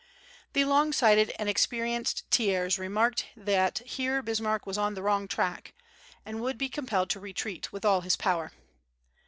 The long sighted and experienced Thiers remarked that here Bismarck was on the wrong track, and would be compelled to retreat, with all his power.